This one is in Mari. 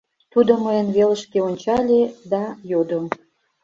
Тудо мыйын велышке ончале да йодо: